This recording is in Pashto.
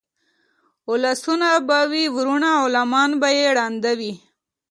اولسونه به وي وروڼه غلیمان به یې ړانده وي